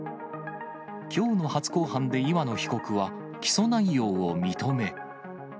きょうの初公判で岩野被告は、起訴内容を認め。